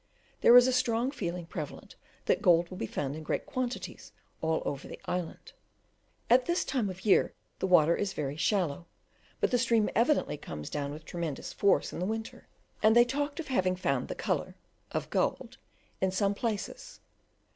There is a strong feeling prevalent that gold will be found in great quantities all over the island. At this time of the year the water is very shallow, but the stream evidently comes down with tremendous force in the winter; and they talk of having "found the colour" (of gold) in some places.